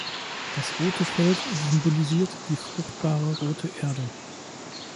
Das rote Feld symbolisiert die fruchtbare rote Erde.